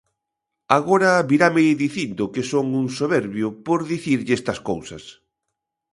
Agora virame dicindo que son un soberbio por dicirlle estas cousas.